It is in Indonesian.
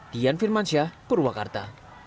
dian firmansyah purwakarta